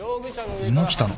今来たの？